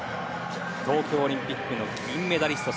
東京オリンピックの銀メダリスト。